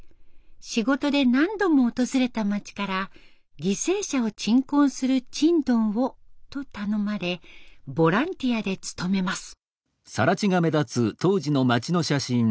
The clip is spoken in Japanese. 仕事で何度も訪れた町から「犠牲者を鎮魂するちんどんを」と頼まれボランティアで務めます。